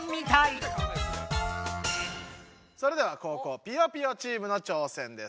それでは後攻ぴよぴよチームの挑戦です。